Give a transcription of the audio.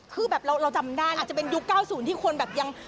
คือแบบเราจำได้อาจจะเป็นยุค๙๐ที่คนแบบยัง